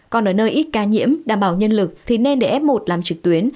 còn ở nơi ít ca nhiễm đảm bảo nhân lực thì nên để f một làm trực tuyến